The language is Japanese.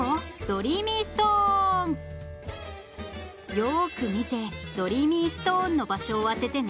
よく見てドリーミーストーンの場所を当ててね